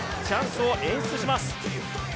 チャンスを演出します。